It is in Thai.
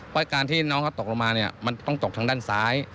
เพราะการที่น้องเขาตกลงมาเนี่ยมันต้องตกทางด้านซ้าย